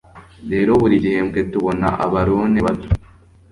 rero, buri gihembwe tubona abalone bato